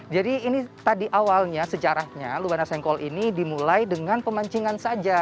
jadi ini tadi awalnya sejarahnya lubana sengkol ini dimulai dengan pemancingan saja